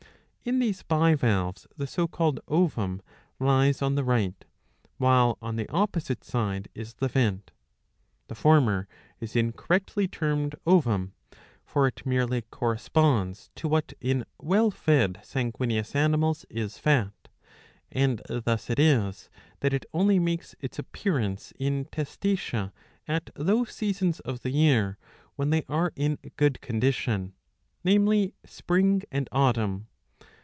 In these bivalves the so called ovum lies on the right ; while on the opposite side is the vent.*3 The former is incorrectly termed ovum, for it merely corresponds to what in well fed sanguineous animals is fat ; and thus it is that it only makes its appearance in Testacea at those seasons of the year when they are in good condition, namely spring 680 a. 102 iv. 5 and autumn.